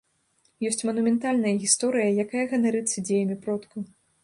Ёсць манументальная гісторыя, якая ганарыцца дзеямі продкаў.